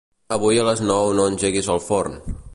Avui a les nou no engeguis el forn.